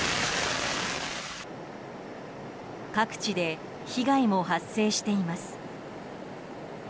各地で被害も発生しています。